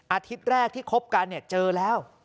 อาทิตย์แรกที่คบกันเจอแล้ว